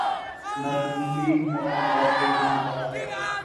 نہ ن لیگ‘ نہ پنجاب کا یہ مزاج ہے۔